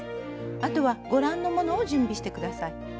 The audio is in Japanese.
あとはご覧のものを準備して下さい。